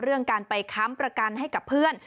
เรื่องการไปค้ำประกันให้กับเพื่อน